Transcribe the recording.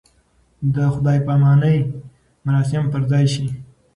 د خدای پامانۍ مراسم پر ځای شي.